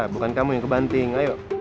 bukan kamu yang kebanting